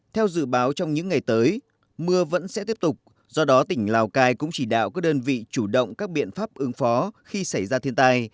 theo dự báo trong những ngày tới mưa vẫn sẽ tiếp tục do đó tỉnh lào cai cũng chỉ đạo các đơn vị chủ động các biện pháp ứng phó khi xảy ra thiên tai